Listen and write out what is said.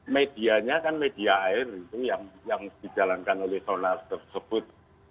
medianya kan media air itu yang dijalankan oleh sonar tersebut